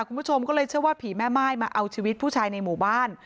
คุณผู้ชมก็เลยเชื่อว่าผีแม่ม่ายมาเอาชีวิตผู้ชายในหมู่บ้าน